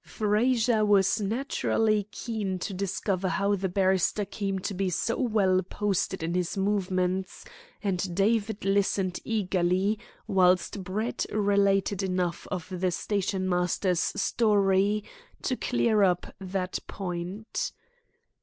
Frazer was naturally keen to discover how the barrister came to be so well posted in his movements, and David listened eagerly whilst Brett related enough of the stationmaster's story to clear up that point.